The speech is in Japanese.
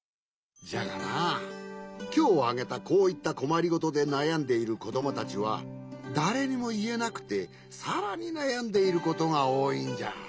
じゃがなきょうあげたこういったこまりごとでなやんでいるこどもたちはだれにもいえなくてさらになやんでいることがおおいんじゃ。